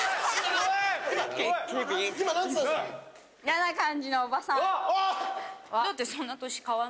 嫌な感じのおばさんだわ！